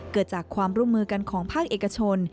เกิดจากความร่วมมือกันของภาคเอกชน